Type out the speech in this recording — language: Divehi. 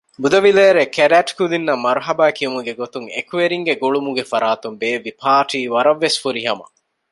ބުދަވިލޭރޭ ކެޑެޓް ކުދިންނަށް މަރުޙަބާ ކިޔުމުގެ ގޮތުން އެކުވެރިންގެ ގުޅުމުގެ ފަރާތުން ބޭއްވި ޕާރޓީ ވަރަށް ވެސް ފުރިހަމަ